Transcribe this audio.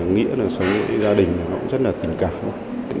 nghĩa sống với gia đình nó cũng rất là tình cảm